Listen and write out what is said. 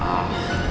lain hari itu